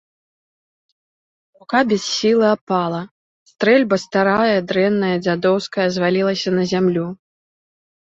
Рука без сілы апала, стрэльба старая, дрэнная, дзядоўская, звалілася на зямлю.